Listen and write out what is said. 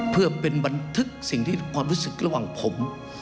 เพื่อเป็นบันทึกสิ่งที่ความรู้สึกระหว่างผม